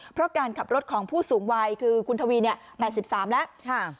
เพราะการขับรถของผู้สูงวัยคือคุณทวีเนี่ยแหมด๑๓แล้ว